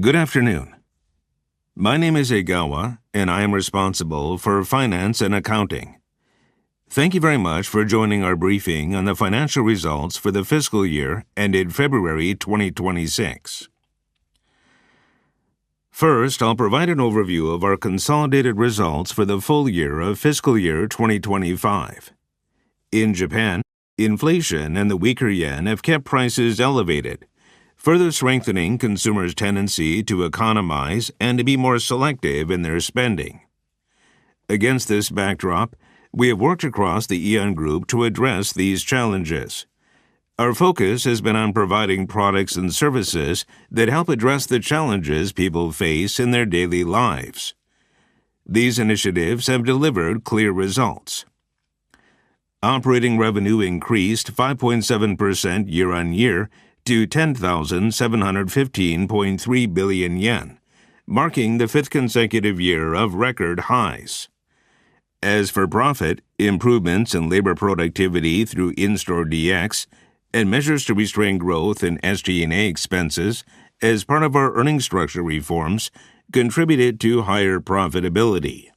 Good afternoon. My name is Egawa, and I am responsible for finance and accounting. Thank you very much for joining our briefing on the financial results for the fiscal year ended February 2026. First, I'll provide an overview of our consolidated results for the full year of fiscal year 2025. In Japan, inflation and the weaker yen have kept prices elevated, further strengthening consumers' tendency to economize and to be more selective in their spending. Against this backdrop, we have worked across the AEON Group to address these challenges. Our focus has been on providing products and services that help address the challenges people face in their daily lives. These initiatives have delivered clear results. Operating revenue increased 5.7% year-on-year to 10,715.3 billion yen, marking the fifth consecutive year of record highs. As for profit, improvements in labor productivity through in-store DX and measures to restrain growth in SG&A expenses as part of our earnings structure reforms contributed to higher profitability.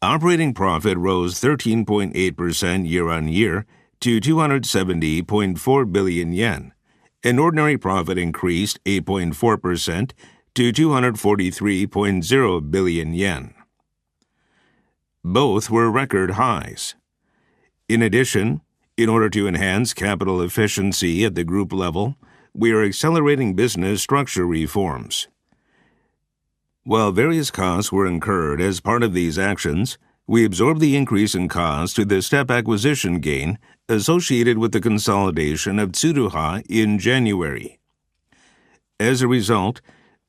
Operating profit rose 13.8% year-on-year to 270.4 billion yen, and ordinary profit increased 8.4% to 243.0 billion yen. Both were record highs. In addition, in order to enhance capital efficiency at the group level, we are accelerating business structure reforms. While various costs were incurred as part of these actions, we absorbed the increase in cost through the step acquisition gain associated with the consolidation of Tsuruha in January. As a result,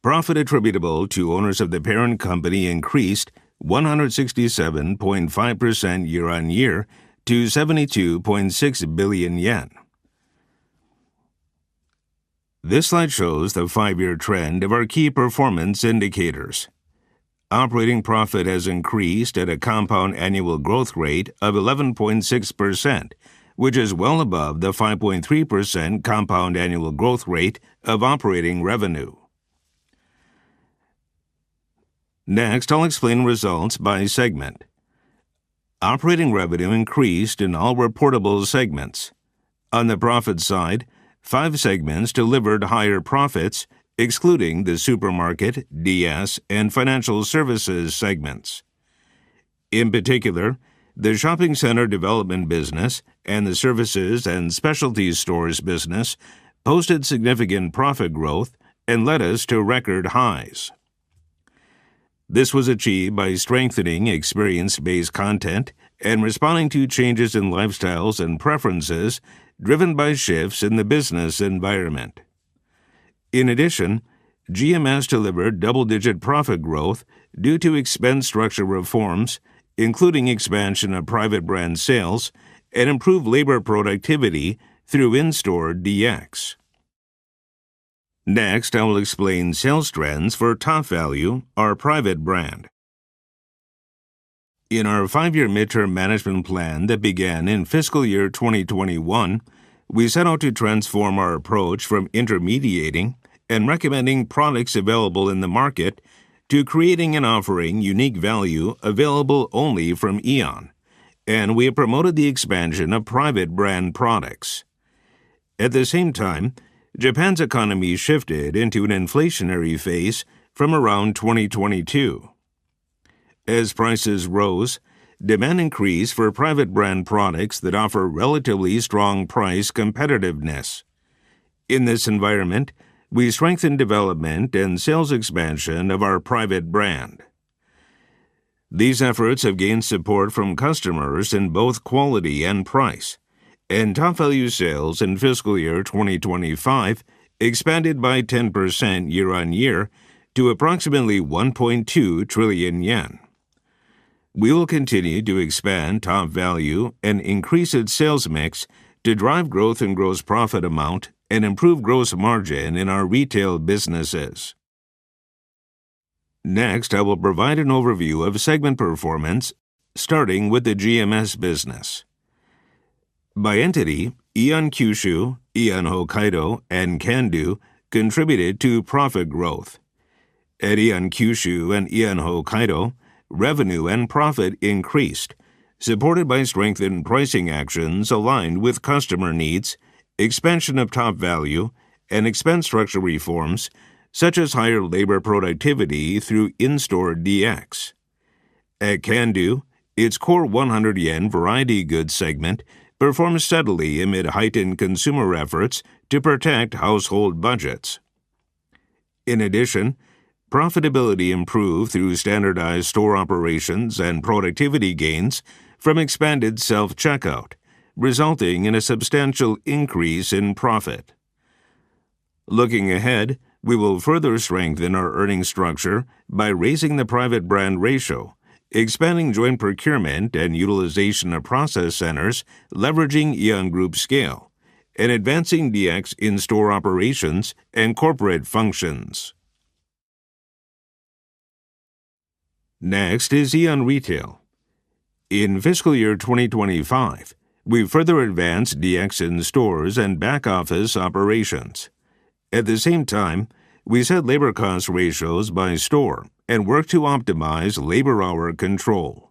profit attributable to owners of the parent company increased 167.5% year-on-year to JPY 72.6 billion. This slide shows the five-year trend of our key performance indicators. Operating profit has increased at a compound annual growth rate of 11.6%, which is well above the 5.3% compound annual growth rate of operating revenue. Next, I'll explain results by segment. Operating revenue increased in all reportable segments. On the profit side, five segments delivered higher profits, excluding the supermarket, DS, and financial services segments. In particular, the shopping center development business and the services and specialties stores business posted significant profit growth and led us to record highs. This was achieved by strengthening experience-based content and responding to changes in lifestyles and preferences driven by shifts in the business environment. In addition, GMS delivered double-digit profit growth due to expense structure reforms, including expansion of private brand sales and improved labor productivity through in-store DX. Next, I will explain sales trends for TopVALU, our private brand. In our five-year midterm management plan that began in fiscal year 2021, we set out to transform our approach from intermediating and recommending products available in the market to creating and offering unique value available only from AEON, and we have promoted the expansion of private brand products. At the same time, Japan's economy shifted into an inflationary phase from around 2022. As prices rose, demand increased for private brand products that offer relatively strong price competitiveness. In this environment, we strengthened development and sales expansion of our private brand. These efforts have gained support from customers in both quality and price, and TopVALU sales in fiscal year 2025 expanded by 10% year-on-year to approximately 1.2 trillion yen. We will continue to expand TopVALU and increase its sales mix to drive growth in gross profit amount and improve gross margin in our retail businesses. Next, I will provide an overview of segment performance, starting with the GMS business. By entity, AEON Kyushu, AEON Hokkaido, and Can Do contributed to profit growth. At AEON Kyushu and AEON Hokkaido, revenue and profit increased, supported by strengthened pricing actions aligned with customer needs, expansion of TopVALU, and expense structure reforms such as higher labor productivity through in-store DX. At Can Do, its core 100 yen variety goods segment performed steadily amid heightened consumer efforts to protect household budgets. In addition, profitability improved through standardized store operations and productivity gains from expanded self-checkout, resulting in a substantial increase in profit. Looking ahead, we will further strengthen our earnings structure by raising the private brand ratio, expanding joint procurement and utilization of process centers, leveraging AEON Group scale, and advancing DX in store operations and corporate functions. Next is AEON Retail. In fiscal year 2025, we further advanced DX in stores and back-office operations. At the same time, we set labor cost ratios by store and worked to optimize labor-hour control.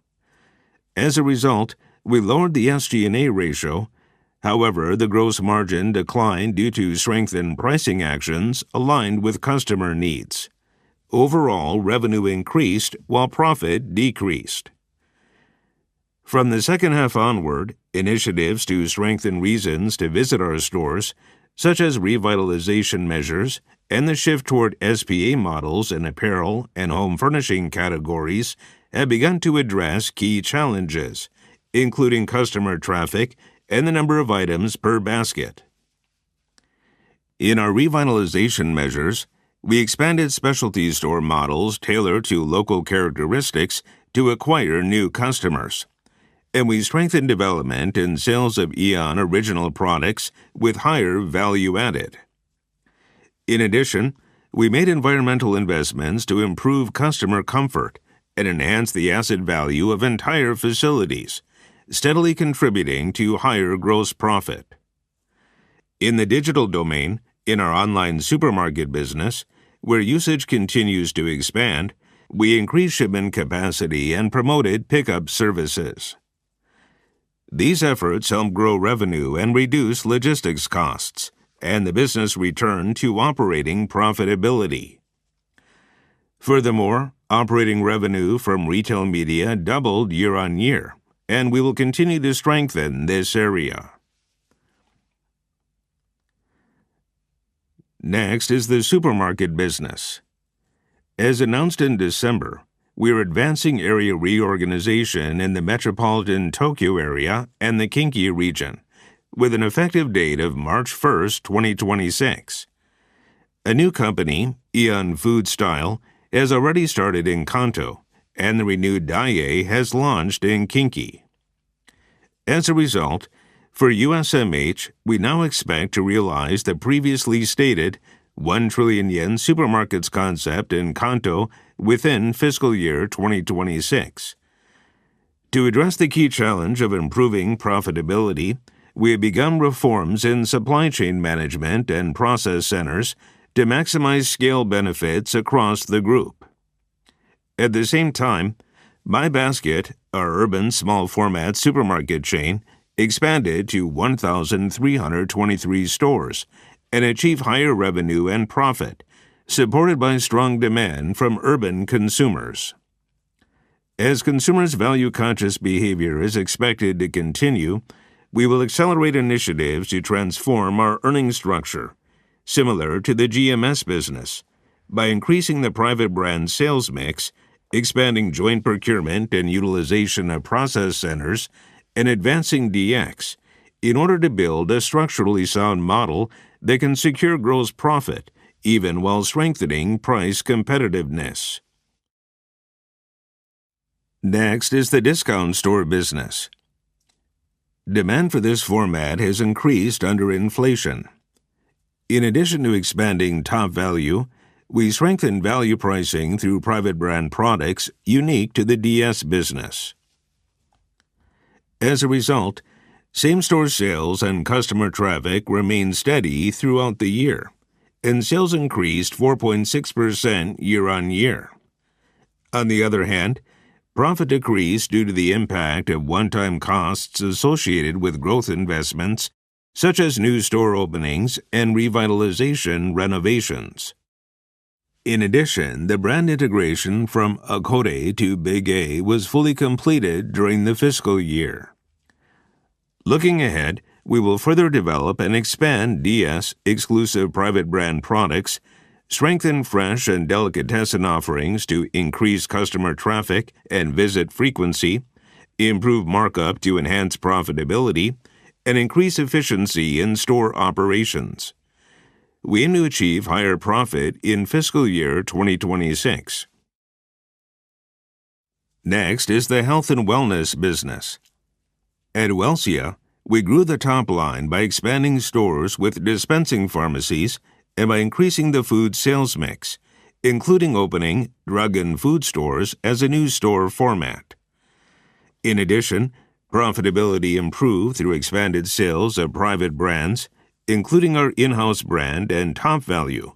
As a result, we lowered the SG&A ratio. However, the gross margin declined due to strengthened pricing actions aligned with customer needs. Overall, revenue increased while profit decreased. From the second half onward, initiatives to strengthen reasons to visit our stores, such as revitalization measures and the shift toward SPA models in apparel and home furnishing categories, have begun to address key challenges, including customer traffic and the number of items per basket. In our revitalization measures, we expanded specialty store models tailored to local characteristics to acquire new customers, and we strengthened development in sales of AEON original products with higher value added. In addition, we made environmental investments to improve customer comfort and enhance the asset value of entire facilities, steadily contributing to higher gross profit. In the digital domain, in our online supermarket business, where usage continues to expand, we increased shipment capacity and promoted pickup services. These efforts helped grow revenue and reduce logistics costs, and the business returned to operating profitability. Furthermore, operating revenue from Retail Media doubled year-on-year, and we will continue to strengthen this area. Next is the supermarket business. As announced in December, we are advancing area reorganization in the Metropolitan Tokyo area and the Kinki region with an effective date of March 1st, 2026. A new company, AEON Food Style, has already started in Kantō, and the renewed Daiei has launched in Kinki. As a result, for USMH, we now expect to realize the previously stated 1 trillion yen supermarkets concept in Kanto within fiscal year 2026. To address the key challenge of improving profitability, we have begun reforms in supply chain management and process centers to maximize scale benefits across the group. At the same time, My Basket, our urban small format supermarket chain, expanded to 1,323 stores and achieved higher revenue and profit, supported by strong demand from urban consumers. As consumers' value-conscious behavior is expected to continue, we will accelerate initiatives to transform our earnings structure, similar to the GMS business by increasing the private brand sales mix, expanding joint procurement and utilization of process centers, and advancing DX in order to build a structurally sound model that can secure gross profit even while strengthening price competitiveness. Next is the discount store business. Demand for this format has increased under inflation. In addition to expanding TopVALU, we strengthened value pricing through private brand products unique to the DS business. As a result, same-store sales and customer traffic remained steady throughout the year, and sales increased 4.6% year-on-year. On the other hand, profit decreased due to the impact of one-time costs associated with growth investments, such as new store openings and revitalization renovations. In addition, the brand integration from Acore to Big-A was fully completed during the fiscal year. Looking ahead, we will further develop and expand DS exclusive private brand products, strengthen fresh and delicatessen offerings to increase customer traffic and visit frequency, improve markup to enhance profitability, and increase efficiency in store operations. We aim to achieve higher profit in fiscal year 2026. Next is the health and wellness business. At Welcia, we grew the top line by expanding stores with dispensing pharmacies and by increasing the food sales mix, including opening drug and food stores as a new store format. In addition, profitability improved through expanded sales of private brands, including our in-house brand and TopVALU,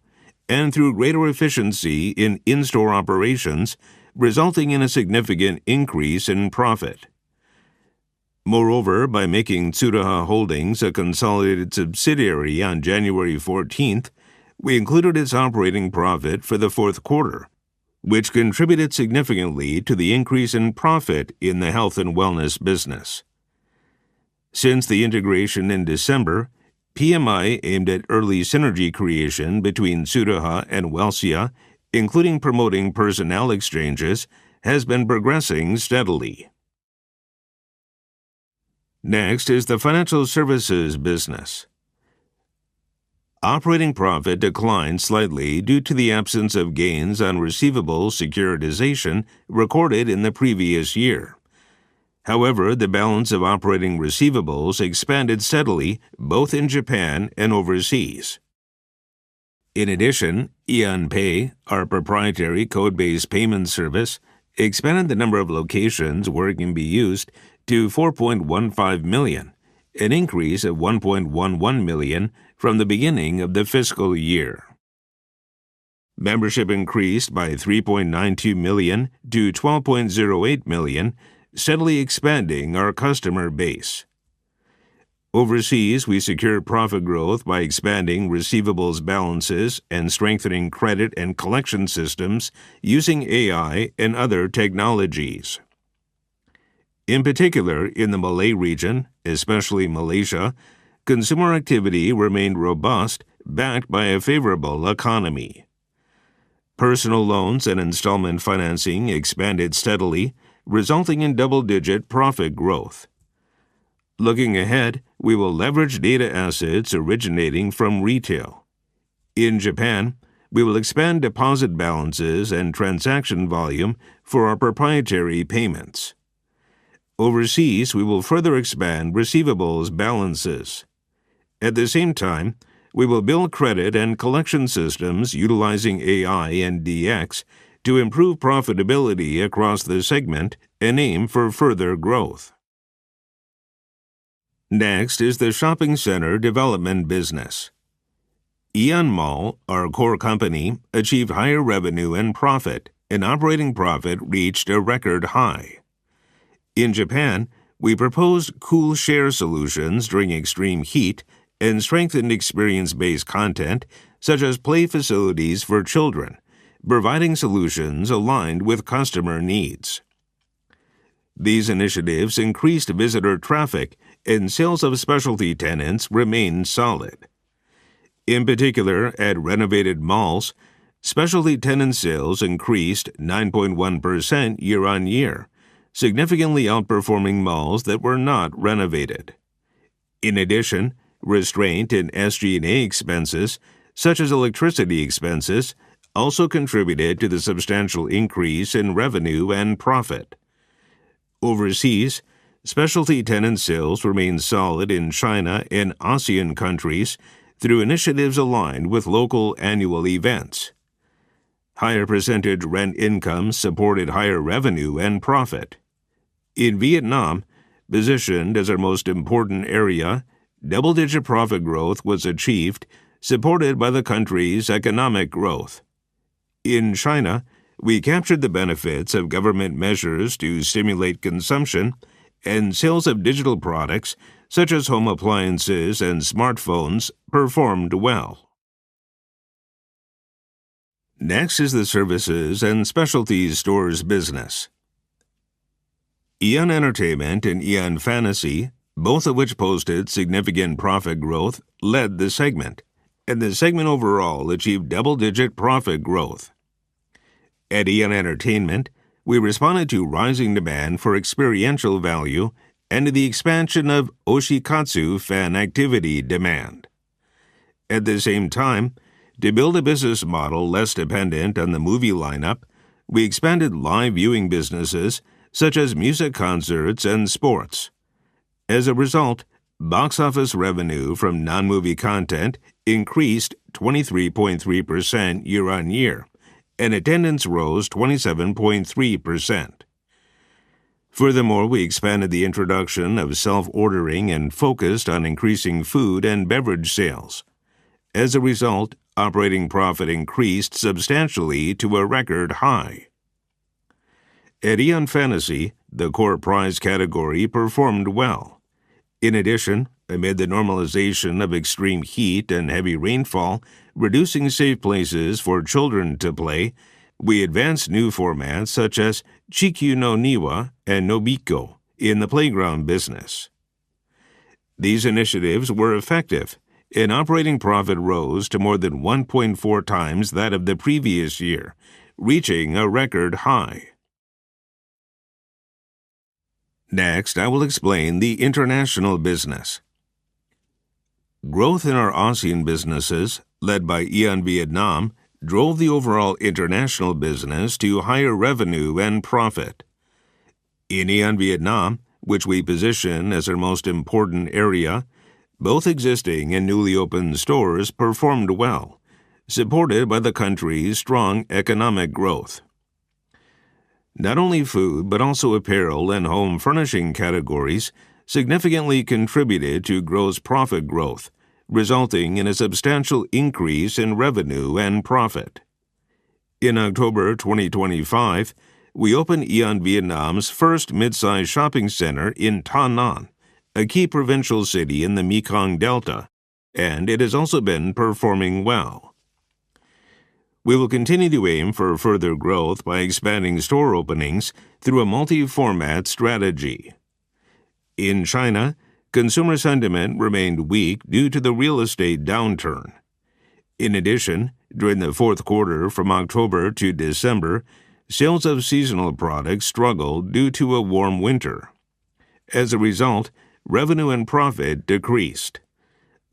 and through greater efficiency in in-store operations, resulting in a significant increase in profit. Moreover, by making Tsuruha Holdings a consolidated subsidiary on 14/01, we included its operating profit for the Q4, which contributed significantly to the increase in profit in the health and wellness business. Since the integration in December, PMI aimed at early synergy creation between Tsuruha and Welcia, including promoting personnel exchanges, has been progressing steadily. Next is the financial services business. Operating profit declined slightly due to the absence of gains on receivable securitization recorded in the previous year. However, the balance of operating receivables expanded steadily both in Japan and overseas. In addition, AEON Pay, our proprietary code-based payment service, expanded the number of locations where it can be used to 4.15 million, an increase of 1.11 million from the beginning of the fiscal year. Membership increased by 3.92million-12.08 million, steadily expanding our customer base. Overseas, we secure profit growth by expanding receivables balances and strengthening credit and collection systems using AI and other technologies. In particular, in the Malay region, especially Malaysia, consumer activity remained robust, backed by a favorable economy. Personal loans and installment financing expanded steadily, resulting in double-digit profit growth. Looking ahead, we will leverage data assets originating from retail. In Japan, we will expand deposit balances and transaction volume for our proprietary payments. Overseas, we will further expand receivables balances. At the same time, we will build credit and collection systems utilizing AI and DX to improve profitability across the segment and aim for further growth. Next is the shopping center development business. Aeon Mall, our core company, achieved higher revenue and profit, and operating profit reached a record high. In Japan, we proposed cool share solutions during extreme heat and strengthened experience-based content such as play facilities for children, providing solutions aligned with customer needs. These initiatives increased visitor traffic and sales of specialty tenants remained solid. In particular, at renovated malls, specialty tenant sales increased 9.1% year-over-year, significantly outperforming malls that were not renovated. In addition, restraint in SG&A expenses such as electricity expenses also contributed to the substantial increase in revenue and profit. Overseas, specialty tenant sales remained solid in China and ASEAN countries through initiatives aligned with local annual events. Higher percentage rent income supported higher revenue and profit. In Vietnam, positioned as our most important area, double-digit profit growth was achieved, supported by the country's economic growth. In China, we captured the benefits of government measures to stimulate consumption and sales of digital products such as home appliances and smartphones performed well. Next is the services and specialties stores business. Aeon Entertainment and Aeon Fantasy, both of which posted significant profit growth, led this segment, and the segment overall achieved double-digit profit growth. At Aeon Entertainment, we responded to rising demand for experiential value and to the expansion of Oshikatsu fan activity demand. At the same time, to build a business model less dependent on the movie lineup, we expanded live viewing businesses such as music concerts and sports. As a result, box office revenue from non-movie content increased 23.3% year-on-year, and attendance rose 27.3%. Furthermore, we expanded the introduction of self-ordering and focused on increasing food and beverage sales. As a result, operating profit increased substantially to a record high. At Aeon Fantasy, the core prize category performed well. In addition, amid the normalization of extreme heat and heavy rainfall, reducing safe places for children to play, we advanced new formats such as Chikyu no Niwa and Nobikko in the playground business. These initiatives were effective, and operating profit rose to more than 1.4x that of the previous year, reaching a record high. Next, I will explain the international business. Growth in our ASEAN businesses, led by Aeon Vietnam, drove the overall international business to higher revenue and profit. In Aeon Vietnam, which we position as our most important area, both existing and newly opened stores performed well, supported by the country's strong economic growth. Not only food, but also apparel and home furnishing categories significantly contributed to gross profit growth, resulting in a substantial increase in revenue and profit. In October 2025, we opened Aeon Vietnam's first mid-size shopping center in Tân An, a key provincial city in the Mekong Delta, and it has also been performing well. We will continue to aim for further growth by expanding store openings through a multi-format strategy. In China, consumer sentiment remained weak due to the real estate downturn. In addition, during the Q4 from October to December, sales of seasonal products struggled due to a warm winter. As a result, revenue and profit decreased.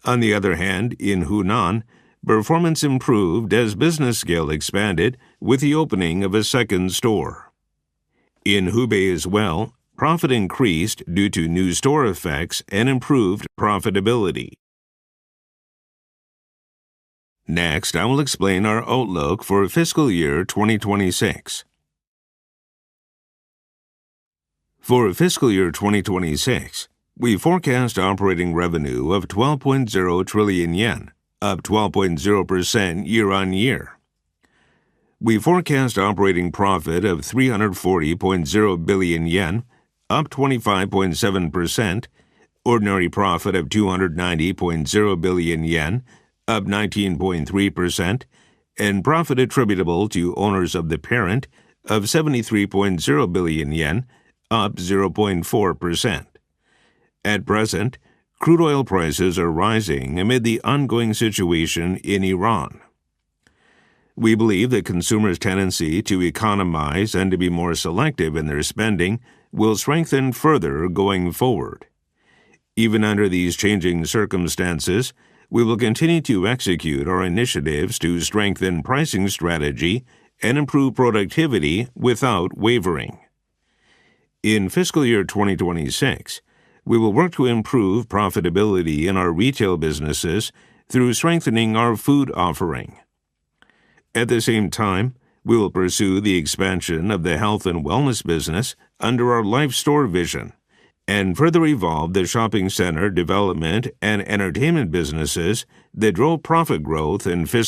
On the other hand, in Hunan, performance improved as business scale expanded with the opening of a second store. In Hubei as well, profit increased due to new store effects and improved profitability. Next, I will explain our outlook for fiscal year 2026. For fiscal year 2026, we forecast operating revenue of 12.0 trillion yen, up 12.0% year-on-year. We forecast operating profit of 340.0 billion yen, up 25.7%, ordinary profit of 290.0 billion yen, up 19.3%, and profit attributable to owners of the parent of 73.0 billion yen, up 0.4%. At present, crude oil prices are rising amid the ongoing situation in Iran. We believe that consumers' tendency to economize and to be more selective in their spending will strengthen further going forward. Even under these changing circumstances, we will continue to execute our initiatives to strengthen pricing strategy and improve productivity without wavering. In fiscal year 2026, we will work to improve profitability in our retail businesses through strengthening our food offering. At the same time, we will pursue the expansion of the health and wellness business under our Life Store vision and further evolve the shopping center development and entertainment businesses that drove profit growth in FY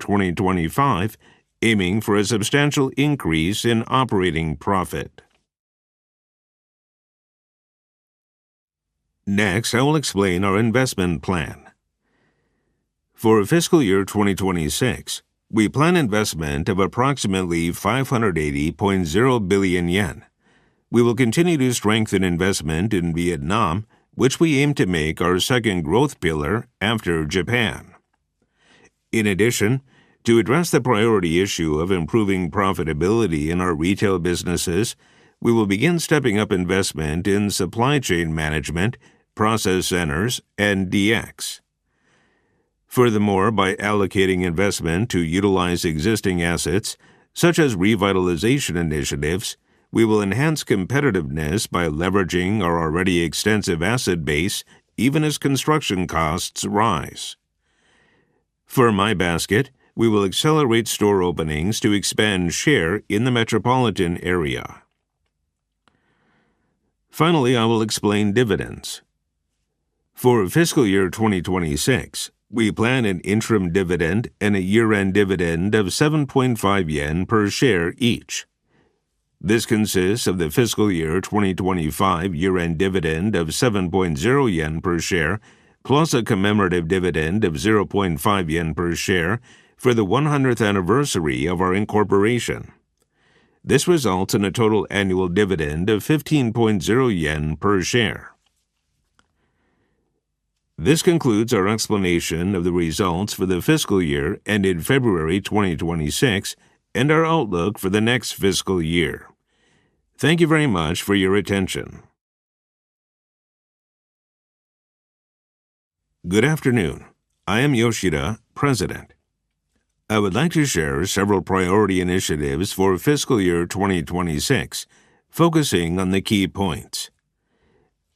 2025, aiming for a substantial increase in operating profit. Next, I will explain our investment plan. For FY 2026, we plan investment of approximately 580.0 billion yen. We will continue to strengthen investment in Vietnam, which we aim to make our second growth pillar after Japan. In addition, to address the priority issue of improving profitability in our retail businesses, we will begin stepping up investment in supply chain management, process centers, and DX. Furthermore, by allocating investment to utilize existing assets, such as revitalization initiatives, we will enhance competitiveness by leveraging our already extensive asset base, even as construction costs rise. For My Basket, we will accelerate store openings to expand share in the metropolitan area. Finally, I will explain dividends. For fiscal year 2026, we plan an interim dividend and a year-end dividend of 7.5 yen per share each. This consists of the fiscal year 2025 year-end dividend of 7.0 yen per share, plus a commemorative dividend of 0.5 yen per share for the 100th anniversary of our incorporation. This results in a total annual dividend of 15.0 yen per share. This concludes our explanation of the results for the fiscal year ended February 2026 and our outlook for the next fiscal year. Thank you very much for your attention. Good afternoon. I am Yoshida, President. I would like to share several priority initiatives for fiscal year 2026, focusing on the key points.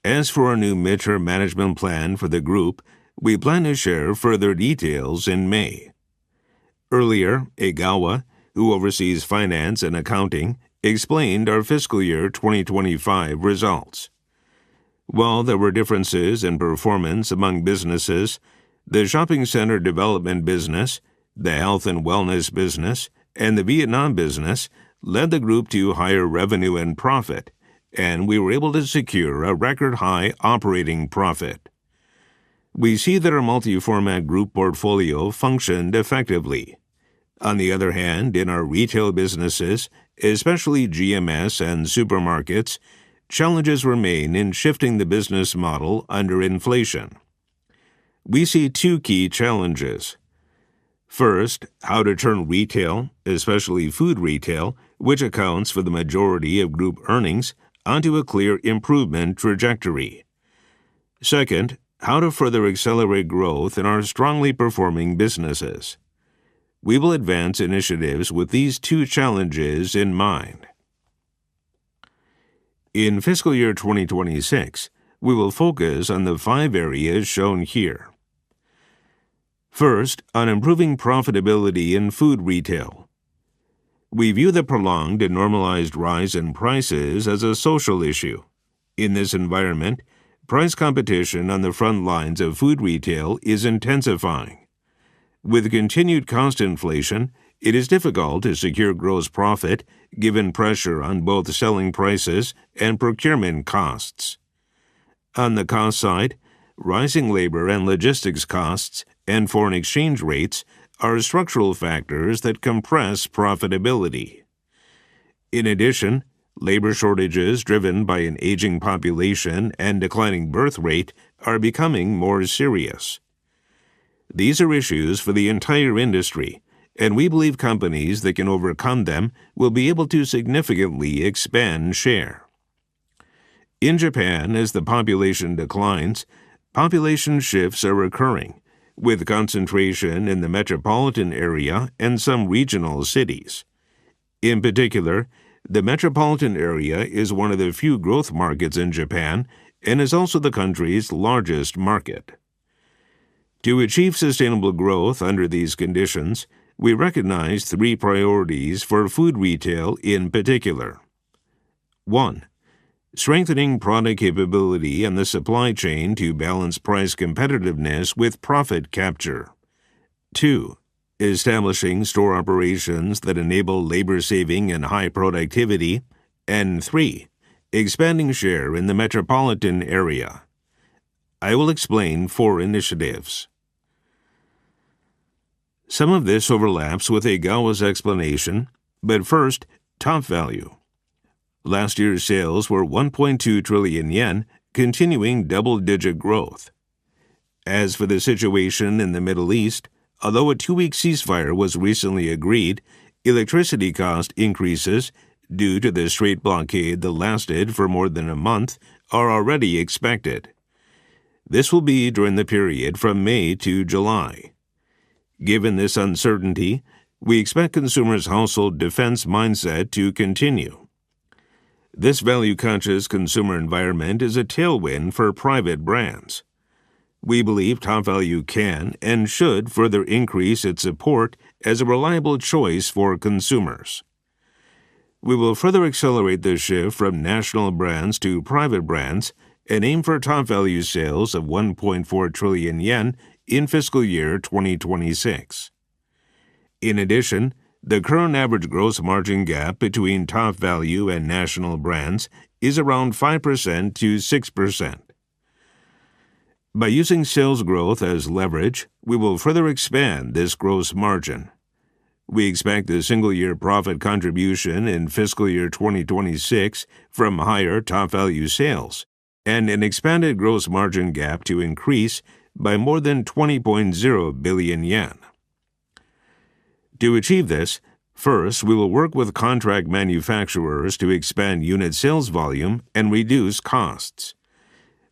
As for our new mid-term management plan for the group, we plan to share further details in May. Earlier, Egawa, who oversees finance and accounting, explained our fiscal year 2025 results. While there were differences in performance among businesses, the shopping center development business, the health and wellness business, and the Vietnam business led the group to higher revenue and profit, and we were able to secure a record high operating profit. We see that our multi-format group portfolio functioned effectively. On the other hand, in our retail businesses, especially GMS and supermarkets, challenges remain in shifting the business model under inflation. We see two key challenges. First, how to turn retail, especially food retail, which accounts for the majority of group earnings, onto a clear improvement trajectory. Second, how to further accelerate growth in our strongly performing businesses. We will advance initiatives with these two challenges in mind. In fiscal year 2026, we will focus on the five areas shown here. First, on improving profitability in food retail. We view the prolonged and normalized rise in prices as a social issue. In this environment, price competition on the front lines of food retail is intensifying. With continued cost inflation, it is difficult to secure gross profit given pressure on both selling prices and procurement costs. On the cost side, rising labor and logistics costs and foreign exchange rates are structural factors that compress profitability. In addition, labor shortages driven by an aging population and declining birth rate are becoming more serious. These are issues for the entire industry, and we believe companies that can overcome them will be able to significantly expand share. In Japan, as the population declines, population shifts are occurring with concentration in the metropolitan area and some regional cities. In particular, the metropolitan area is one of the few growth markets in Japan and is also the country's largest market. To achieve sustainable growth under these conditions, we recognize three priorities for food retail, in particular. One, strengthening product capability and the supply chain to balance price competitiveness with profit capture. Two, establishing store operations that enable labor saving and high productivity. Three, expanding share in the metropolitan area. I will explain four initiatives. Some of this overlaps with Egawa's explanation, but first, TopVALU. Last year's sales were 1.2 trillion yen, continuing double-digit growth. As for the situation in the Middle East, although a two-week ceasefire was recently agreed, electricity cost increases due to the Strait blockade that lasted for more than a month are already expected. This will be during the period from May-July. Given this uncertainty, we expect consumers' household defense mindset to continue. This value-conscious consumer environment is a tailwind for private brands. We believe TopVALU can and should further increase its support as a reliable choice for consumers. We will further accelerate the shift from national brands to private brands and aim for TopVALU sales of 1.4 trillion yen in fiscal year 2026. In addition, the current average gross margin gap between TopVALU and national brands is around 5%-6%. By using sales growth as leverage, we will further expand this gross margin. We expect the single-year profit contribution in fiscal year 2026 from higher ToPVALU sales and an expanded gross margin gap to increase by more than 20.0 billion yen. To achieve this, first, we will work with contract manufacturers to expand unit sales volume and reduce costs.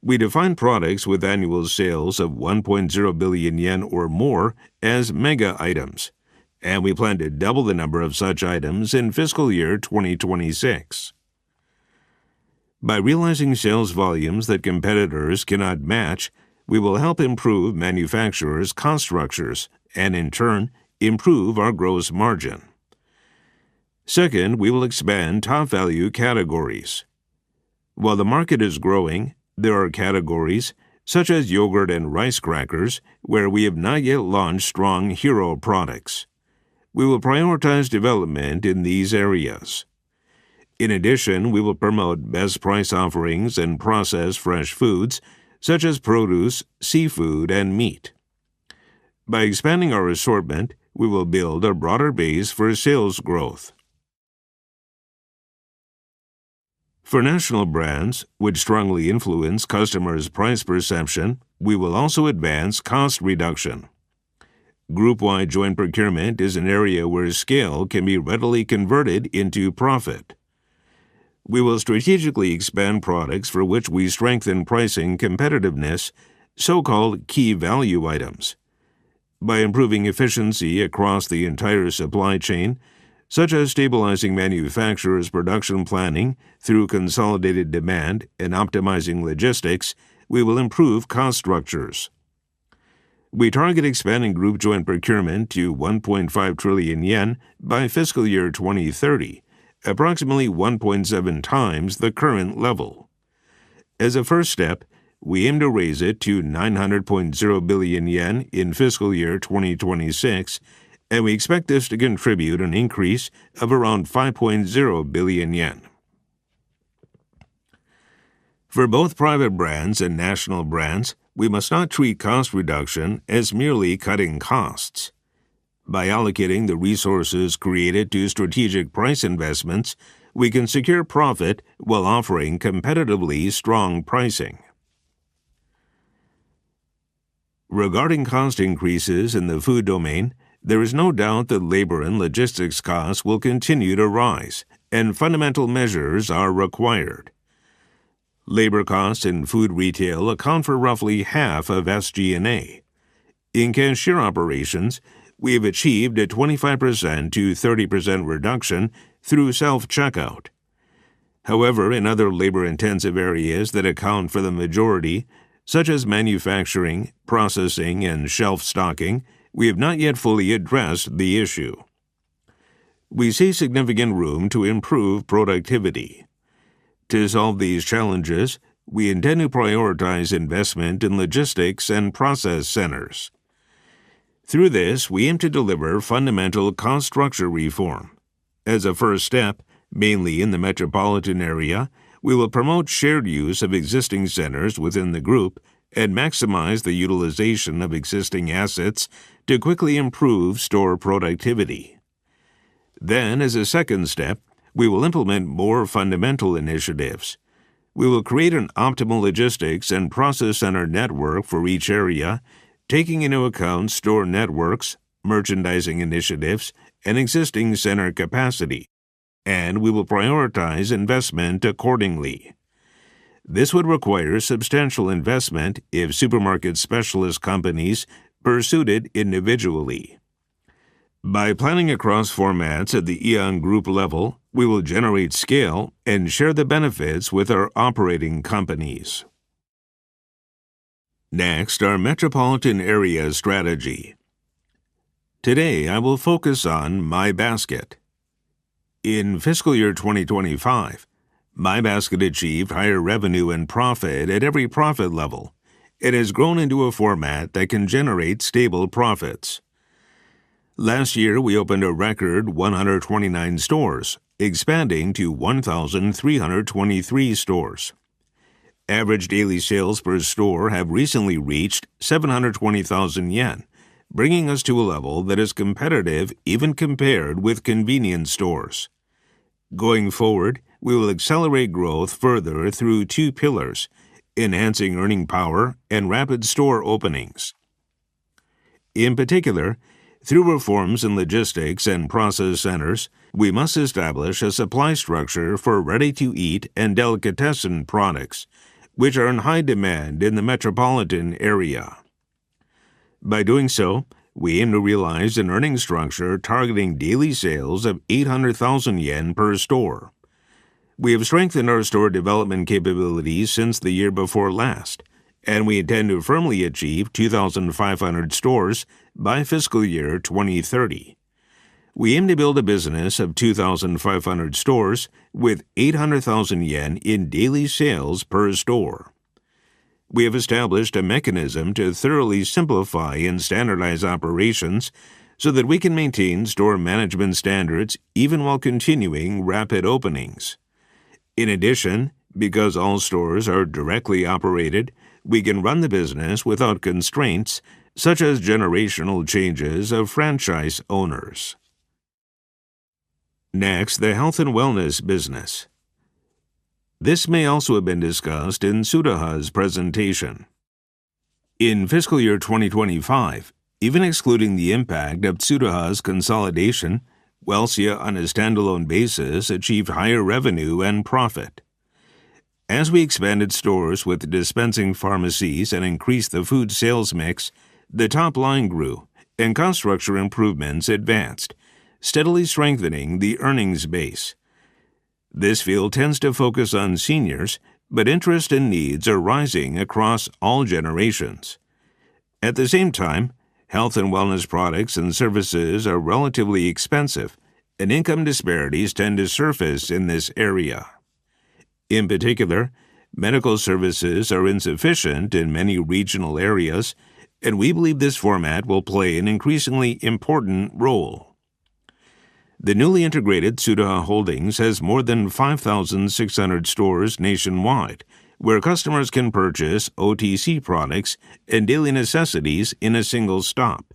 We define products with annual sales of 1.0 billion yen or more as mega items, and we plan to double the number of such items in fiscal year 2026. By realizing sales volumes that competitors cannot match, we will help improve manufacturers' cost structures and in turn, improve our gross margin. Second, we will expand TopVALU categories. While the market is growing, there are categories such as yogurt and rice crackers, where we have not yet launched strong hero products. We will prioritize development in these areas. In addition, we will promote bestprice offerings and process fresh foods such as produce, seafood, and meat. By expanding our assortment, we will build a broader base for sales growth. For national brands, which strongly influence customers' price perception, we will also advance cost reduction. Group-wide Joint Procurement is an area where scale can be readily converted into profit. We will strategically expand products for which we strengthen pricing competitiveness, so-called key value items. By improving efficiency across the entire supply chain, such as stabilizing manufacturers' production planning through consolidated demand and optimizing logistics, we will improve cost structures. We target expanding group Joint Procurement to 1.5 trillion yen by fiscal year 2030, approximately 1.7x the current level. As a first step, we aim to raise it to 900.0 billion yen in fiscal year 2026, and we expect this to contribute an increase of around 5.0 billion yen. For both private brands and national brands, we must not treat cost reduction as merely cutting costs. By allocating the resources created to strategic price investments, we can secure profit while offering competitively strong pricing. Regarding cost increases in the food domain, there is no doubt that labor and logistics costs will continue to rise and fundamental measures are required. Labor costs in food retail account for roughly half of SG&A. In cashier operations, we have achieved a 25%-30% reduction through self-checkout. However, in other labor-intensive areas that account for the majority, such as manufacturing, processing, and shelf stocking, we have not yet fully addressed the issue. We see significant room to improve productivity. To solve these challenges, we intend to prioritize investment in logistics and process centers. Through this, we aim to deliver fundamental cost structure reform. As a first step, mainly in the metropolitan area, we will promote shared use of existing centers within the group and maximize the utilization of existing assets to quickly improve store productivity. As a second step, we will implement more fundamental initiatives. We will create an optimal logistics and process center network for each area, taking into account store networks, merchandising initiatives, and existing center capacity, and we will prioritize investment accordingly. This would require substantial investment if supermarket specialist companies pursued it individually. By planning across formats at the Aeon Group level, we will generate scale and share the benefits with our operating companies. Next, our metropolitan area strategy. Today, I will focus on My Basket. In fiscal year 2025, My Basket achieved higher revenue and profit at every profit level. It has grown into a format that can generate stable profits. Last year, we opened a record 129 stores, expanding to 1,323 stores. Average daily sales per store have recently reached 720,000 yen, bringing us to a level that is competitive even compared with convenience stores. Going forward, we will accelerate growth further through two pillars: enhancing earning power and rapid store openings. In particular, through reforms in logistics and process centers, we must establish a supply structure for ready-to-eat and delicatessen products, which are in high demand in the metropolitan area. By doing so, we aim to realize an earnings structure targeting daily sales of 800,000 yen per store. We have strengthened our store development capabilities since the year before last, and we intend to firmly achieve 2,500 stores by fiscal year 2030. We aim to build a business of 2,500 stores with 800,000 yen in daily sales per store. We have established a mechanism to thoroughly simplify and standardize operations so that we can maintain store management standards even while continuing rapid openings. In addition, because all stores are directly operated, we can run the business without constraints such as generational changes of franchise owners. Next, the health and wellness business. This may also have been discussed in Tsuda's presentation. In fiscal year 2025, even excluding the impact of Tsuruha's consolidation, Welcia on a standalone basis achieved higher revenue and profit. As we expanded stores with dispensing pharmacies and increased the food sales mix, the top line grew, and cost structure improvements advanced, steadily strengthening the earnings base. This field tends to focus on seniors, but interest and needs are rising across all generations. At the same time, health and wellness products and services are relatively expensive, and income disparities tend to surface in this area. In particular, medical services are insufficient in many regional areas, and we believe this format will play an increasingly important role. The newly integrated Tsuruha Holdings has more than 5,600 stores nationwide where customers can purchase OTC products and daily necessities in a single stop,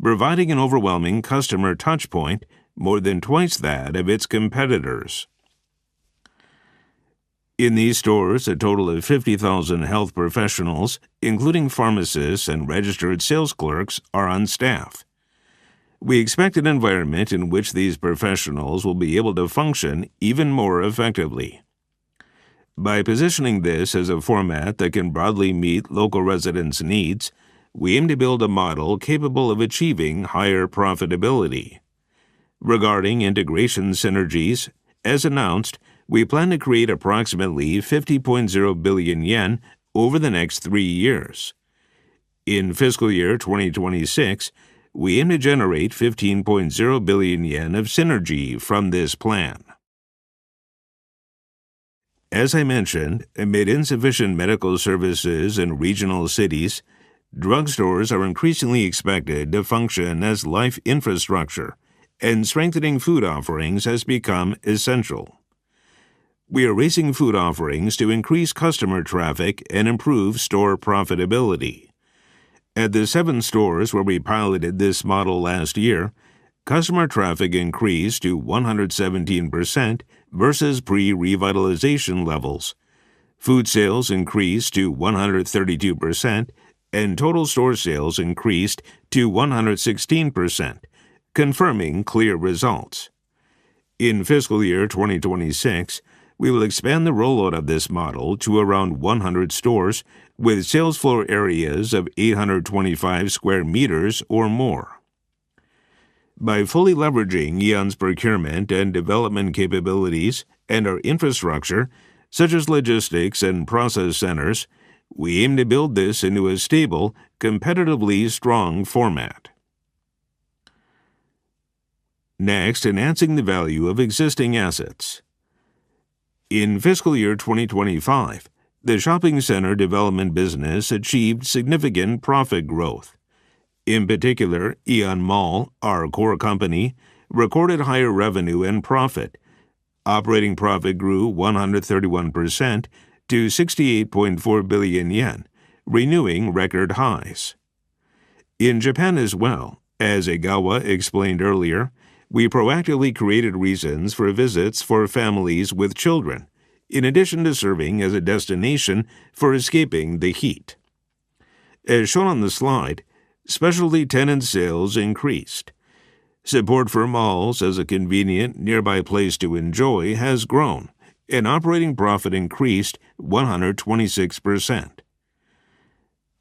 providing an overwhelming customer touchpoint, more than twice that of its competitors. In these stores, a total of 50,000 health professionals, including pharmacists and registered sales clerks, are on staff. We expect an environment in which these professionals will be able to function even more effectively. By positioning this as a format that can broadly meet local residents' needs, we aim to build a model capable of achieving higher profitability. Regarding integration synergies, as announced, we plan to create approximately 50.0 billion yen over the next three years. In fiscal year 2026, we aim to generate 15.0 billion yen of synergy from this plan. As I mentioned, amid insufficient medical services in regional cities, drugstores are increasingly expected to function as life infrastructure, and strengthening food offerings has become essential. We are raising food offerings to increase customer traffic and improve store profitability. At the seven stores where we piloted this model last year, customer traffic increased to 117% versus pre-revitalization levels. Food sales increased to 132%, and total store sales increased to 116%, confirming clear results. In fiscal year 2026, we will expand the rollout of this model to around 100 stores with sales floor areas of 825 sq m or more. By fully leveraging Aeon's procurement and development capabilities and our infrastructure, such as logistics and process centers, we aim to build this into a stable, competitively strong format. Next, enhancing the value of existing assets. In fiscal year 2025, the shopping center development business achieved significant profit growth. In particular, Aeon Mall, our core company, recorded higher revenue and profit. Operating profit grew 131% to 68.4 billion yen, renewing record highs. In Japan as well, as Egawa explained earlier, we proactively created reasons for visits for families with children, in addition to serving as a destination for escaping the heat. As shown on the slide, specialty tenant sales increased. Support for malls as a convenient, nearby place to enjoy has grown, and operating profit increased 126%.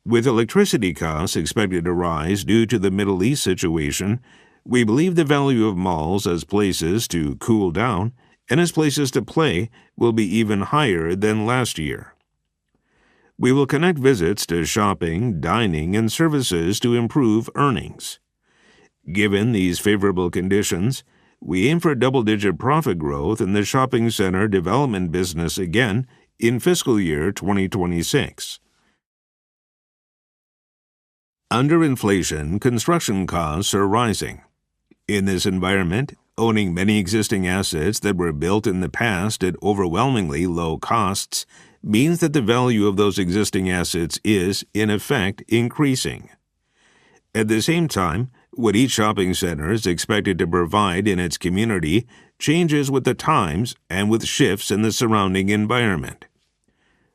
With electricity costs expected to rise due to the Middle East situation, we believe the value of malls as places to cool down and as places to play will be even higher than last year. We will connect visits to shopping, dining, and services to improve earnings. Given these favorable conditions, we aim for double-digit profit growth in the shopping center development business again in fiscal year 2026. Under inflation, construction costs are rising. In this environment, owning many existing assets that were built in the past at overwhelmingly low costs means that the value of those existing assets is, in effect, increasing. At the same time, what each shopping center is expected to provide in its community changes with the times and with shifts in the surrounding environment.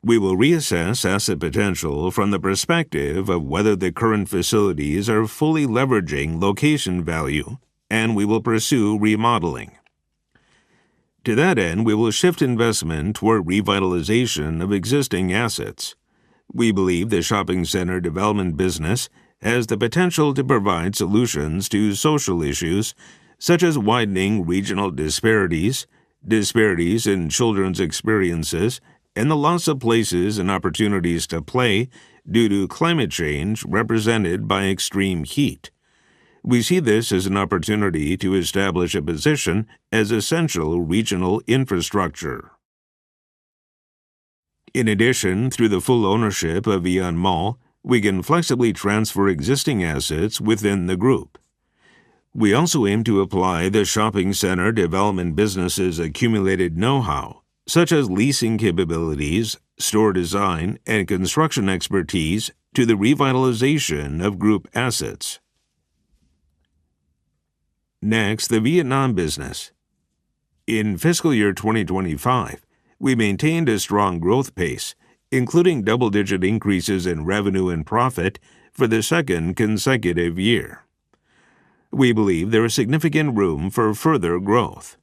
We will reassess asset potential from the perspective of whether the current facilities are fully leveraging location value, and we will pursue remodeling. To that end, we will shift investment toward revitalization of existing assets. We believe the shopping center development business has the potential to provide solutions to social issues such as widening regional disparities in children's experiences, and the loss of places and opportunities to play due to climate change represented by extreme heat. We see this as an opportunity to establish a position as essential regional infrastructure. In addition, through the full ownership of Aeon Mall, we can flexibly transfer existing assets within the group. We also aim to apply the shopping center development business's accumulated know-how, such as leasing capabilities, store design, and construction expertise to the revitalization of group assets. Next, the Vietnam business. In fiscal year 2025, we maintained a strong growth pace, including double-digit increases in revenue and profit for the second consecutive year. We believe there is significant room for further growth.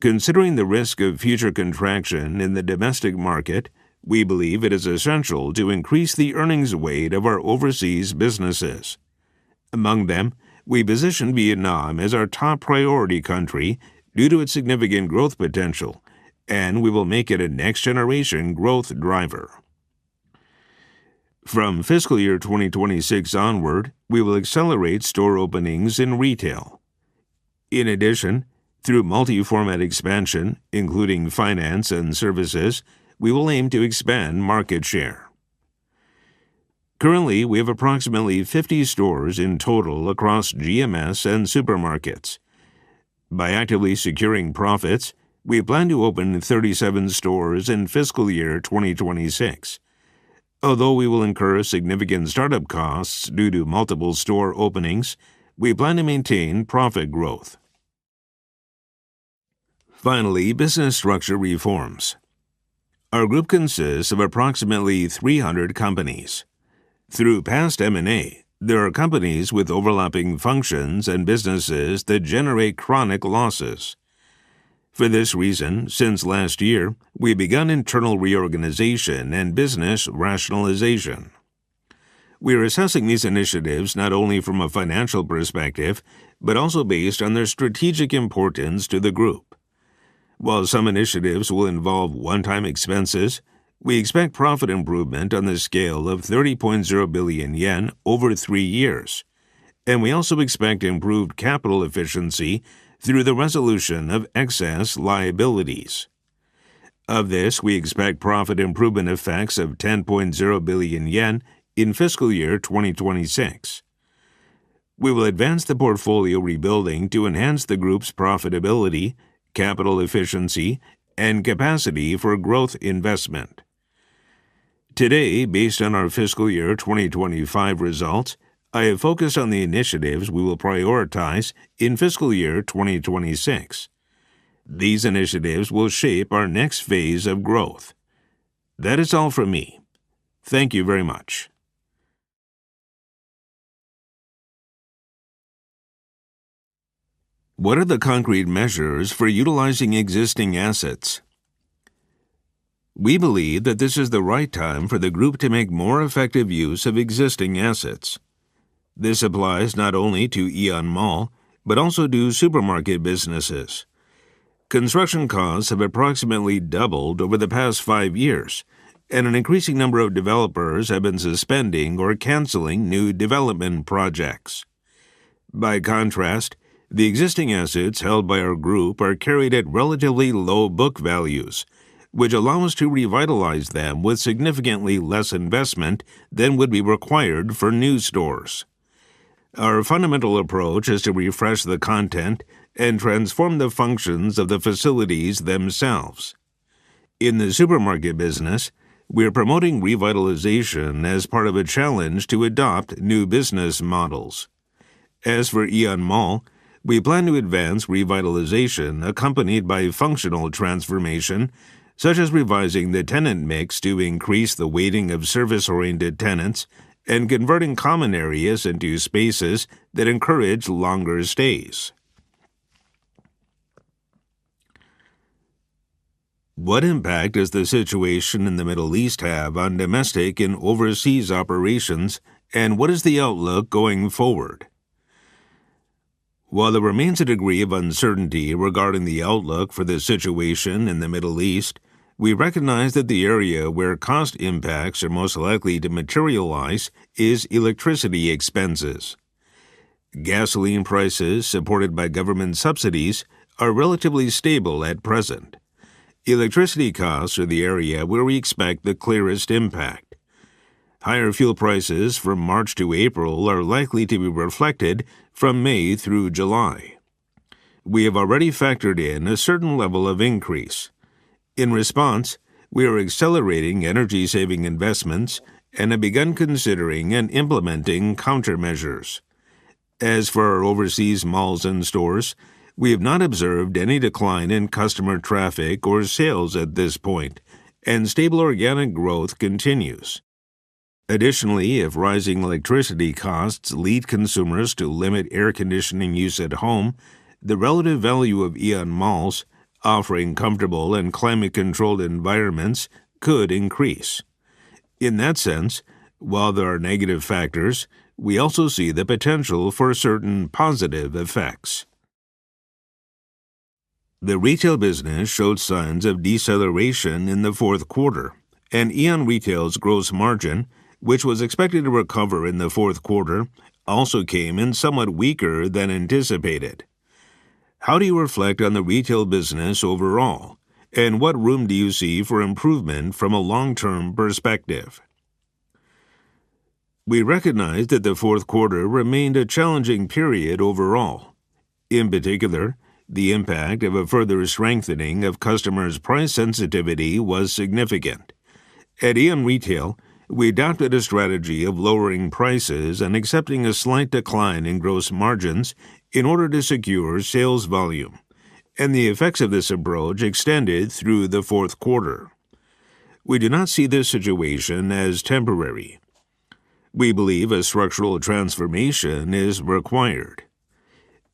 Considering the risk of future contraction in the domestic market, we believe it is essential to increase the earnings weight of our overseas businesses. Among them, we position Vietnam as our top priority country due to its significant growth potential, and we will make it a next-generation growth driver. From fiscal year 2026 onward, we will accelerate store openings in retail. In addition, through multi-format expansion, including finance and services, we will aim to expand market share. Currently, we have approximately 50 stores in total across GMS and supermarkets. By actively securing profits, we plan to open 37 stores in fiscal year 2026. Although we will incur significant startup costs due to multiple store openings, we plan to maintain profit growth. Finally, business structure reforms. Our group consists of approximately 300 companies. Through past M&A, there are companies with overlapping functions and businesses that generate chronic losses. For this reason, since last year, we began internal reorganization and business rationalization. We are assessing these initiatives not only from a financial perspective, but also based on their strategic importance to the group. While some initiatives will involve one-time expenses, we expect profit improvement on the scale of 30.0 billion yen over three years, and we also expect improved capital efficiency through the resolution of excess liabilities. Of this, we expect profit improvement effects of 10.0 billion yen in fiscal year 2026. We will advance the portfolio rebuilding to enhance the group's profitability, capital efficiency, and capacity for growth investment. Today, based on our fiscal year 2025 results, I have focused on the initiatives we will prioritize in fiscal year 2026. These initiatives will shape our next phase of growth. That is all from me. Thank you very much. What are the concrete measures for utilizing existing assets? We believe that this is the right time for the group to make more effective use of existing assets. This applies not only to Aeon Mall, but also to supermarket businesses. Construction costs have approximately doubled over the past five years, and an increasing number of developers have been suspending or canceling new development projects. By contrast, the existing assets held by our group are carried at relatively low book values, which allow us to revitalize them with significantly less investment than would be required for new stores. Our fundamental approach is to refresh the content and transform the functions of the facilities themselves. In the supermarket business, we are promoting revitalization as part of a challenge to adopt new business models. As for Aeon Mall, we plan to advance revitalization accompanied by functional transformation, such as revising the tenant mix to increase the weighting of service-oriented tenants and converting common areas into spaces that encourage longer stays. What impact does the situation in the Middle East have on domestic and overseas operations, and what is the outlook going forward? While there remains a degree of uncertainty regarding the outlook for the situation in the Middle East, we recognize that the area where cost impacts are most likely to materialize is electricity expenses. Gasoline prices, supported by government subsidies, are relatively stable at present. Electricity costs are the area where we expect the clearest impact. Higher fuel prices from March to April are likely to be reflected from May through July. We have already factored in a certain level of increase. In response, we are accelerating energy-saving investments and have begun considering and implementing countermeasures. As for our overseas malls and stores, we have not observed any decline in customer traffic or sales at this point, and stable organic growth continues. Additionally, if rising electricity costs lead consumers to limit air conditioning use at home, the relative value of Aeon Malls, offering comfortable and climate-controlled environments, could increase. In that sense, while there are negative factors, we also see the potential for certain positive effects. The retail business showed signs of deceleration in the Q4, and AEON Retail's gross margin, which was expected to recover in the, also came in Q4 somewhat weaker than anticipated. How do you reflect on the retail business overall, and what room do you see for improvement from a long-term perspective? We recognize that the Q4 remained a challenging period overall. In particular, the impact of a further strengthening of customers' price sensitivity was significant. At AEON Retail, we adopted a strategy of lowering prices and accepting a slight decline in gross margins in order to secure sales volume, and the effects of this approach extended through the Q4. We do not see this situation as temporary. We believe a structural transformation is required.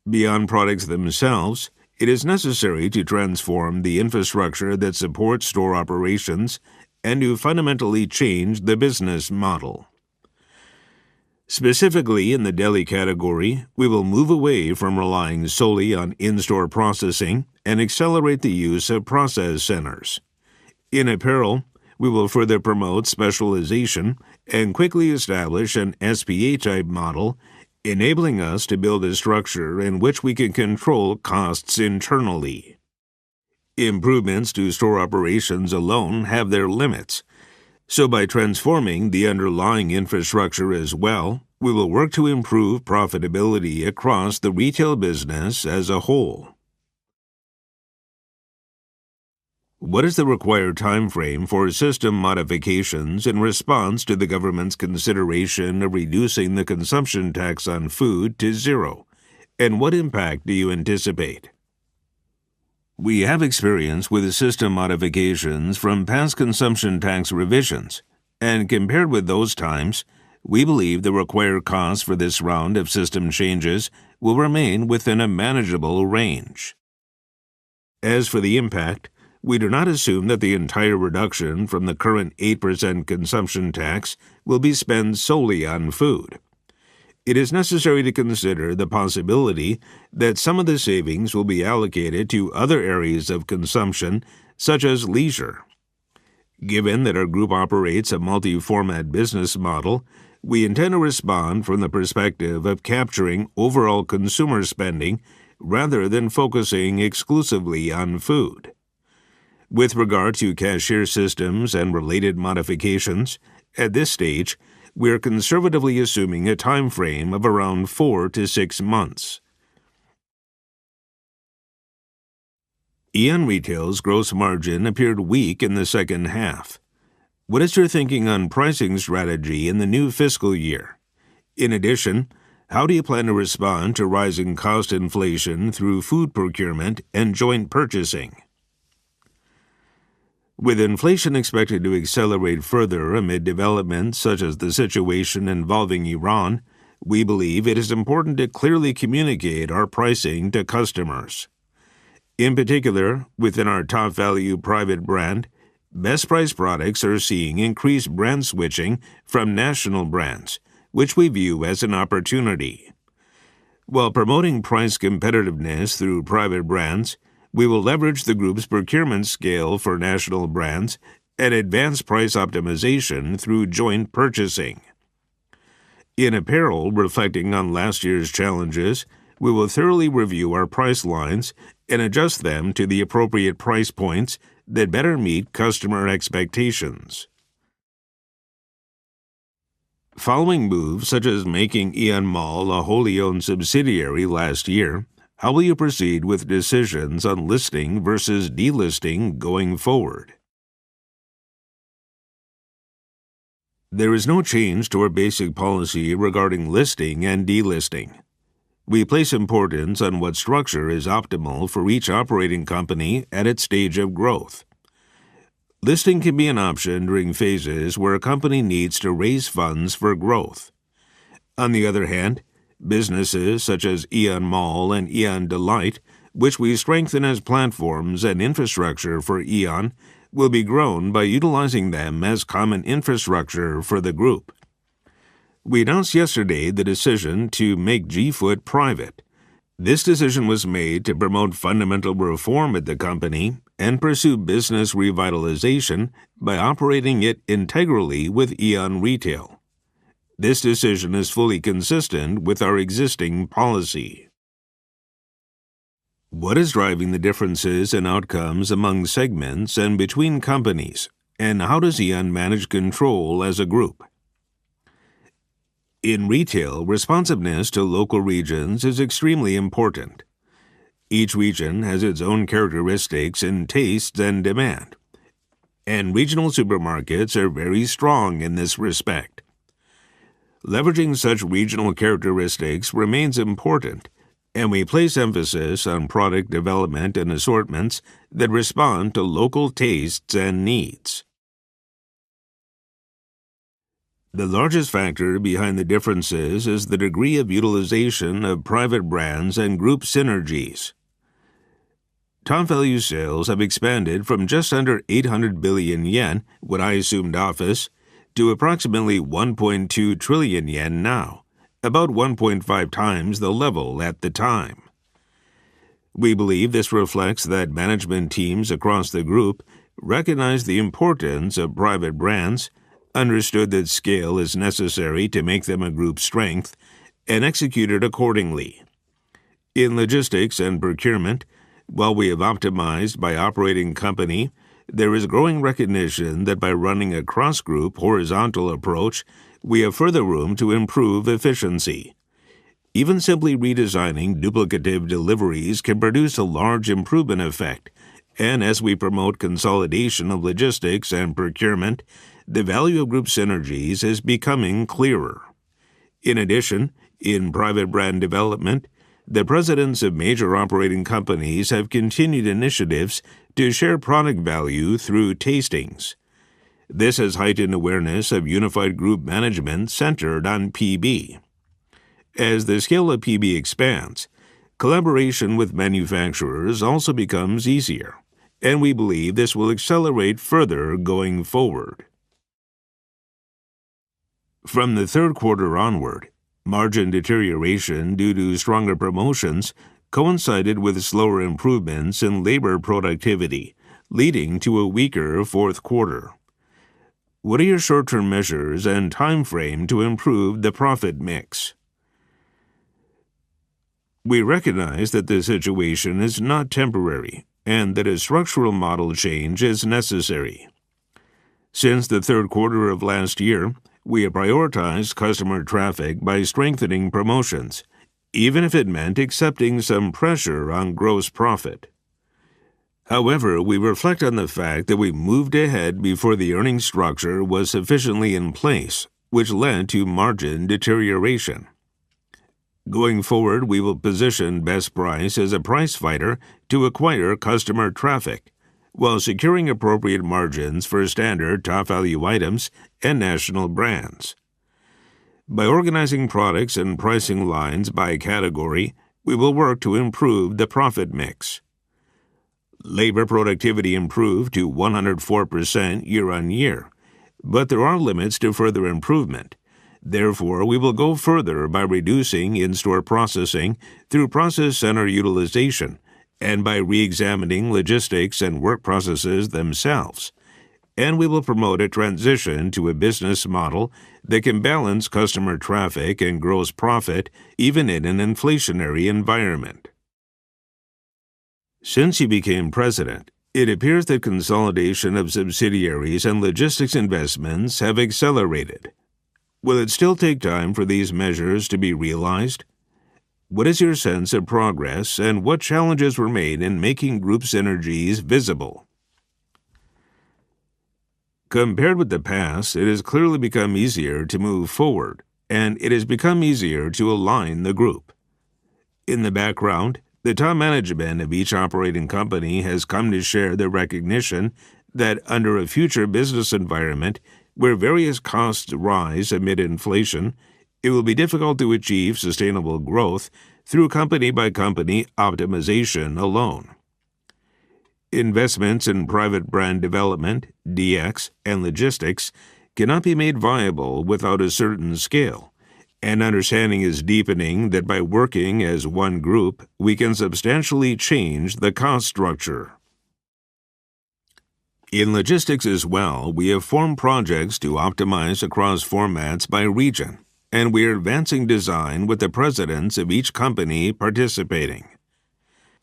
Beyond products themselves, it is necessary to transform the infrastructure that supports store operations and to fundamentally change the business model. Specifically, in the deli category, we will move away from relying solely on in-store processing and accelerate the use of process centers. In apparel, we will further promote specialization and quickly establish an SPA-type model, enabling us to build a structure in which we can control costs internally. Improvements to store operations alone have their limits, so by transforming the underlying infrastructure as well, we will work to improve profitability across the retail business as a whole. What is the required timeframe for system modifications in response to the government's consideration of reducing the consumption tax on food to zero, and what impact do you anticipate? We have experience with system modifications from past consumption tax revisions, and compared with those times, we believe the required cost for this round of system changes will remain within a manageable range. As for the impact, we do not assume that the entire reduction from the current 8% consumption tax will be spent solely on food. It is necessary to consider the possibility that some of the savings will be allocated to other areas of consumption, such as leisure. Given that our group operates a multi-format business model, we intend to respond from the perspective of capturing overall consumer spending rather than focusing exclusively on food. With regard to cashier systems and related modifications, at this stage, we are conservatively assuming a timeframe of around 4-6 months. AEON Retail's gross margin appeared weak in the second half. What is your thinking on pricing strategy in the new fiscal year? In addition, how do you plan to respond to rising cost inflation through food procurement and joint purchasing? With inflation expected to accelerate further amid developments such as the situation involving Iran, we believe it is important to clearly communicate our pricing to customers. In particular, within our TopVALU private brand, Bestprice products are seeing increased brand switching from national brands, which we view as an opportunity. While promoting price competitiveness through private brands, we will leverage the group's procurement scale for national brands and advance price optimization through joint purchasing. In apparel, reflecting on last year's challenges, we will thoroughly review our price lines and adjust them to the appropriate price points that better meet customer expectations. Following moves such as making Aeon Mall a wholly owned subsidiary last year, how will you proceed with decisions on listing versus delisting going forward? There is no change to our basic policy regarding listing and delisting. We place importance on what structure is optimal for each operating company at its stage of growth. Listing can be an option during phases where a company needs to raise funds for growth. On the other hand, businesses such as Aeon Mall and AEON Delight, which we strengthen as platforms and infrastructure for AEON, will be grown by utilizing them as common infrastructure for the group. We announced yesterday the decision to make G.Foot private. This decision was made to promote fundamental reform at the company and pursue business revitalization by operating it integrally with AEON Retail. This decision is fully consistent with our existing policy. What is driving the differences in outcomes among segments and between companies, and how does AEON manage control as a group? In retail, responsiveness to local regions is extremely important. Each region has its own characteristics in tastes and demand, and regional supermarkets are very strong in this respect. Leveraging such regional characteristics remains important, and we place emphasis on product development and assortments that respond to local tastes and needs. The largest factor behind the differences is the degree of utilization of private brands and group synergies. TopVALU sales have expanded from just under 800 billion yen when I assumed office to approximately 1.2 trillion yen now, about 1.5x the level at the time. We believe this reflects that management teams across the group recognized the importance of private brands, understood that scale is necessary to make them a group strength, and executed accordingly. In logistics and procurement, while we have optimized by operating company, there is growing recognition that by running a cross-group horizontal approach, we have further room to improve efficiency. Even simply redesigning duplicative deliveries can produce a large improvement effect, and as we promote consolidation of logistics and procurement, the value of group synergies is becoming clearer. In addition, in private brand development, the presidents of major operating companies have continued initiatives to share product value through tastings. This has heightened awareness of unified group management centered on PB. As the scale of PB expands, collaboration with manufacturers also becomes easier, and we believe this will accelerate further going forward. From the third quarter onward, margin deterioration due to stronger promotions coincided with slower improvements in labor productivity, leading to a weaker Q4. What are your short-term measures and timeframe to improve the profit mix? We recognize that the situation is not temporary and that a structural model change is necessary. Since the third quarter of last year, we have prioritized customer traffic by strengthening promotions, even if it meant accepting some pressure on gross profit. However, we reflect on the fact that we moved ahead before the earnings structure was sufficiently in place, which led to margin deterioration. Going forward, we will position TopVALU Bestprice as a price fighter to acquire customer traffic while securing appropriate margins for standard TopVALU items and national brands. By organizing products and pricing lines by category, we will work to improve the profit mix. Labor productivity improved to 104% year-over-year, but there are limits to further improvement. Therefore, we will go further by reducing in-store processing through process center utilization and by re-examining logistics and work processes themselves. We will promote a transition to a business model that can balance customer traffic and gross profit even in an inflationary environment. Since you became president, it appears that consolidation of subsidiaries and logistics investments have accelerated. Will it still take time for these measures to be realized? What is your sense of progress and what challenges were made in making group synergies visible? Compared with the past, it has clearly become easier to move forward and it has become easier to align the group. In the background, the top management of each operating company has come to share the recognition that under a future business environment where various costs rise amid inflation, it will be difficult to achieve sustainable growth through company-by-company optimization alone. Investments in private brand development, DX, and logistics cannot be made viable without a certain scale, and understanding is deepening that by working as one group, we can substantially change the cost structure. In logistics as well, we have formed projects to optimize across formats by region, and we are advancing design with the presidents of each company participating.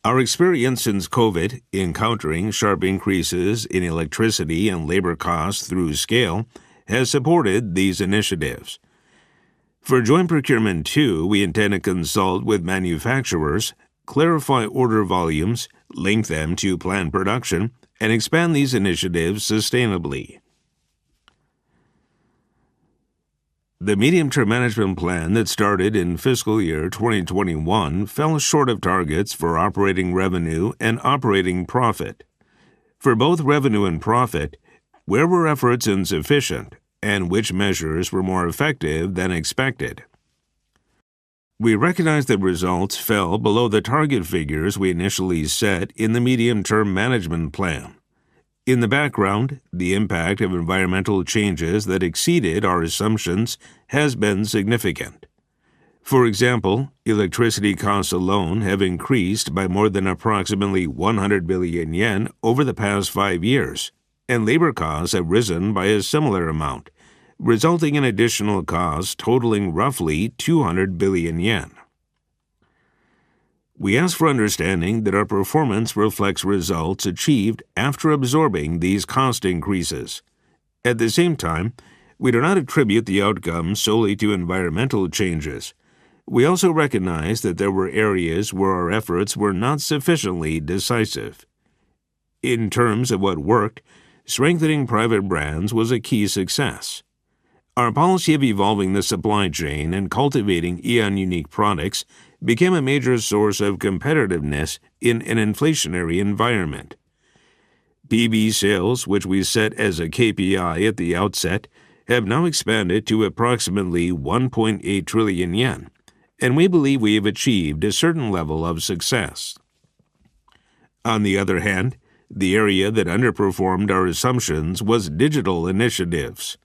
Our experience since COVID, encountering sharp increases in electricity and labor costs through scale, has supported these initiatives. For Joint Procurement ,too, we intend to consult with manufacturers, clarify order volumes, link them to planned production, and expand these initiatives sustainably. The medium-term management plan that started in fiscal year 2021 fell short of targets for operating revenue and operating profit. For both revenue and profit, where were efforts insufficient, and which measures were more effective than expected? We recognize that results fell below the target figures we initially set in the medium-term management plan. In the background, the impact of environmental changes that exceeded our assumptions has been significant. For example, electricity costs alone have increased by more than approximately 100 billion yen over the past five years, and labor costs have risen by a similar amount, resulting in additional costs totaling roughly 200 billion yen. We ask for understanding that our performance reflects results achieved after absorbing these cost increases. At the same time, we do not attribute the outcome solely to environmental changes. We also recognize that there were areas where our efforts were not sufficiently decisive. In terms of what worked, strengthening private brands was a key success. Our policy of evolving the supply chain and cultivating AEON unique products became a major source of competitiveness in an inflationary environment. PB sales, which we set as a KPI at the outset, have now expanded to approximately 1.8 trillion yen, and we believe we have achieved a certain level of success. On the other hand, the area that underperformed our assumptions was digital initiatives.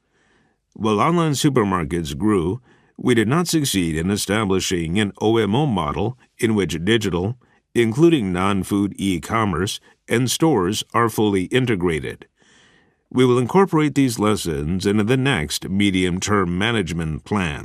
While online supermarkets grew, we did not succeed in establishing an OMO model in which digital, including non-food e-commerce, and stores are fully integrated. We will incorporate these lessons into the next medium-term management plan.